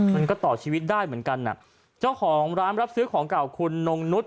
มันก็ต่อชีวิตได้เหมือนกันอ่ะเจ้าของร้านรับซื้อของเก่าคุณนงนุษย